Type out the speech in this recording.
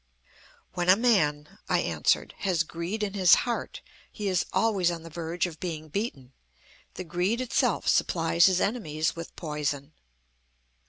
"When a man," I answered, "has greed in his heart, he is always on the verge of being beaten. The greed itself supplies his enemies with poison."